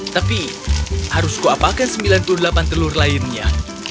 tapi harusku apakan sembilan puluh delapan telur lainnya